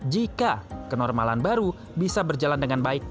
jika kenormalan baru bisa berjalan dengan baik